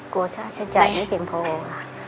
ค่าใช้จ่ายไม่เพียงพอค่ะ